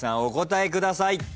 お答えください。